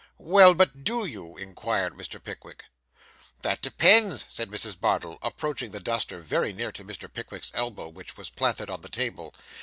'Well, but do you?' inquired Mr. Pickwick. 'That depends,' said Mrs. Bardell, approaching the duster very near to Mr. Pickwick's elbow which was planted on the table.